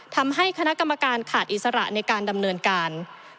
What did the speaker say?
ทำให้คณะกรรมการขาดอิสระในการดำเนินการ